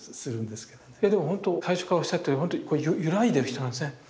でもほんと最初からおっしゃってるようにゆらいでる人なんですね。